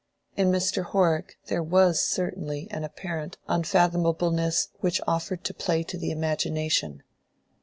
In Mr. Horrock there was certainly an apparent unfathomableness which offered play to the imagination.